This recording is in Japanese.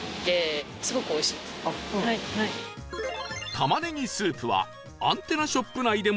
玉ねぎスープはアンテナショップ内でも人気の商品